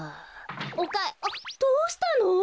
おかあっどうしたの？